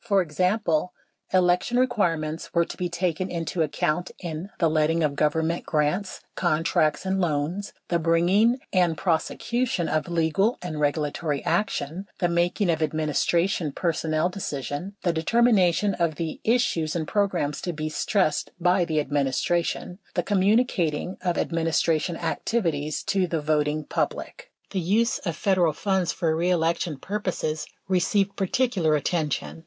For example, election re quirements were to be taken into account in: The letting of Govern ment grants, contracts, and loans; the bringing and prosecution of legal and regulatory action ; the making of administration personnel decision; the determination of the issues and programs to be stressed by the administration ; the communicating of administration activities to the voting public. The use of Federal funds for reelection purposes received particu lar attention.